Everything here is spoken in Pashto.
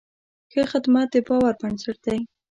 ښه خدمت د باور بنسټ دی.